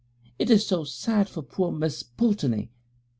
It is so sad for poor Miss Pulteney.